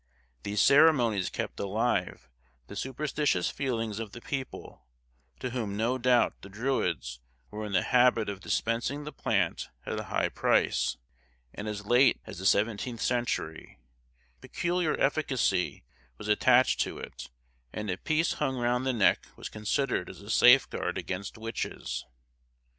These ceremonies kept alive the superstitious feelings of the people, to whom no doubt the Druids were in the habit of dispensing the plant at a high price; and as late as the seventeenth century, peculiar efficacy was attached to it, and a piece hung round the neck was considered as a safeguard against witches.